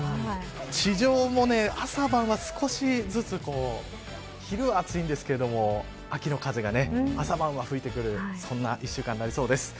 地上も朝晩は少しずつ昼、暑いんですけれども秋の風が朝晩は吹いてくるそんな１週間になりそうです。